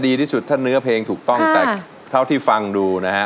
ดีที่สุดถ้าเนื้อเพลงถูกต้องแต่เท่าที่ฟังดูนะฮะ